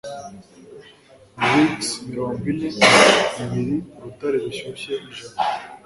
"Licks mirongo ine" bibiri& "Urutare rushyushye: ijana